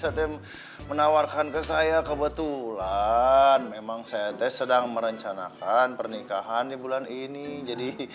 saya menawarkan ke saya kebetulan memang saya sedang merencanakan pernikahan di bulan ini jadi